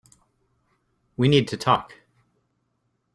We need to talk.